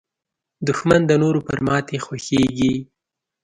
دښمن د نورو پر ماتې خوښېږي